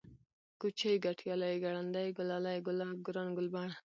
كوچى ، گټيالی ، گړندی ، گلالی ، گلاب ، گران ، گلبڼ